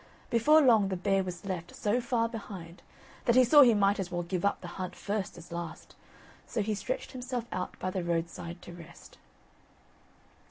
Before long the bear was left so far behind that he saw he might as well give up the hunt first as last, so he stretched himself out by the roadside to rest.